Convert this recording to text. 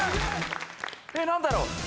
何だろう？